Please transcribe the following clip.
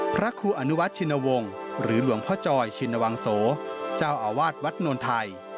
พระครูอนุวัฒนชินวงศ์หรือหลวงพ่อจอยชินวังโสเจ้าอาวาสวัดโนนไทย